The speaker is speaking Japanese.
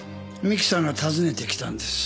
三木さんが訪ねてきたんです。